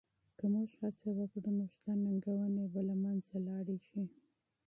که موږ هڅه وکړو نو شته ننګونې به له منځه لاړې شي.